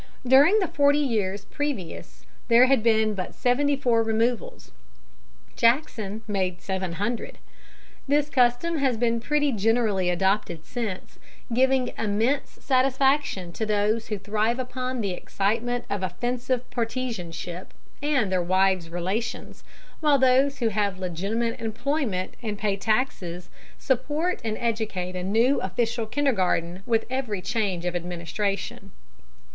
During the forty years previous there had been but seventy four removals; Jackson made seven hundred. This custom has been pretty generally adopted since, giving immense satisfaction to those who thrive upon the excitement of offensive partisanship and their wives' relations, while those who have legitimate employment and pay taxes support and educate a new official kindergarten with every change of administration.